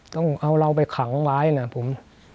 ต้องเอาเราไปขังว้ายนะครับผม